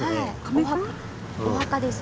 お墓です。